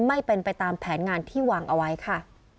ไม่เป็นไปตามแผนงานที่วางเอาไว้ค่ะ